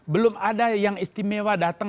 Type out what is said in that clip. belum ada yang istimewa datang